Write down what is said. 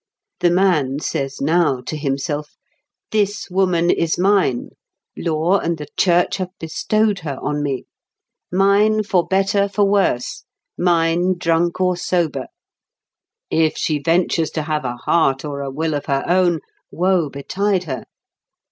The Man says now to himself, "This woman is mine. Law and the Church have bestowed her on me. Mine for better, for worse; mine, drunk or sober. If she ventures to have a heart or a will of her own, woe betide her!